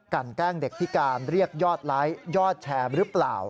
แกล้งเด็กพิการเรียกยอดไลค์ยอดแชร์หรือเปล่า